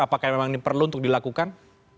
apakah memang ini perlu untuk dilakukan